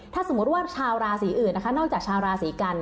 ถ้าสมมุติว่าชาวราศีอื่นนะคะนอกจากชาวราศีกัน